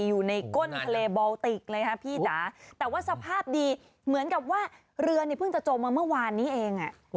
อยู่ในก้นทะเลบอลติกเลยค่ะพี่จ๋าแต่ว่าสภาพดีเหมือนกับว่าเรือนี่เพิ่งจะจมมาเมื่อวานนี้เอง